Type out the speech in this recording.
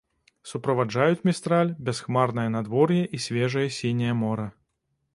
Суправаджаюць містраль бясхмарнае надвор'е і свежае сіняе мора.